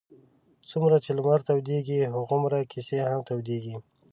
څومره چې لمر تودېږي هغومره کیسې هم تودېږي.